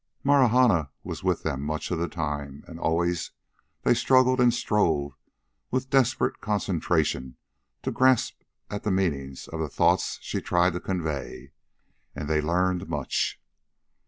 Marahna was with them much of the time, and always they struggled and strove with desperate concentration to grasp at the meanings of the thoughts she tried to convey. And they learned much.